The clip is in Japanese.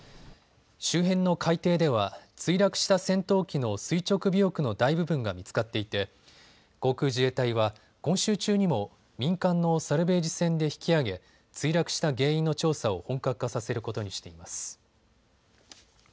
周辺の海底では墜落した戦闘機の垂直尾翼の大部分が見つかっていて航空自衛隊は今週中にも民間のサルベージ船で引き揚げ墜落した原因の調査を本格化させることにしています。